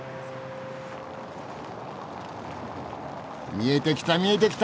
見えてきた見えてきた！